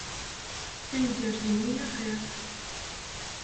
Taneggart-nni axir.